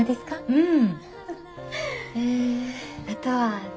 うん。